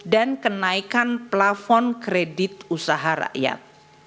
kenaikan plafon kredit usaha rakyat